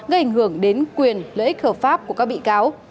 gây ảnh hưởng đến quyền lợi ích hợp pháp của các bị cáo